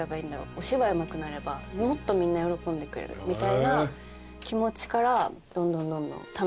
お芝居うまくなればもっとみんな喜んでくれるみたいな気持ちからどんどんどんどん楽しくなってきましたね。